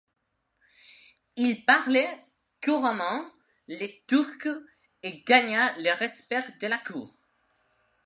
Il parlait couramment le turc et gagna le respect de la cour.